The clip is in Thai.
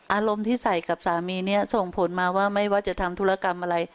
อารมณ์ที่ใส่กับสามีเนี่ยส่งผลมาว่าไม่ว่าจะทำธุรกรรมอะไร